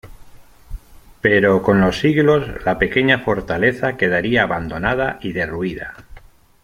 Pero con los siglos la pequeña fortaleza quedaría abandonada y derruida.